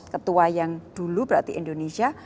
ketua yang dulu berarti indonesia